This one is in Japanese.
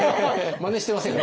まねしてません。